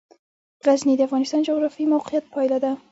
غزني د افغانستان د جغرافیایي موقیعت پایله ده.